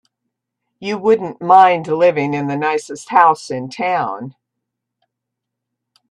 You wouldn't mind living in the nicest house in town.